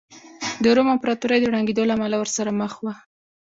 د روم امپراتورۍ د ړنګېدو له امله ورسره مخ وه